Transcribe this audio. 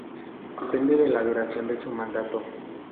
Depende de la duración de su mandato.